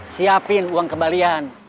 siapin uang kembalian